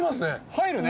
入るね。